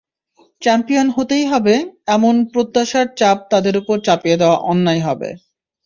Champion হতেই হবে, এমন প্রত্যাশার চাপ তাদের ওপর চাপিয়ে দেওয়া অন্যায় হবে।